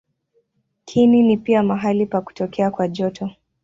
Kiini ni pia mahali pa kutokea kwa joto.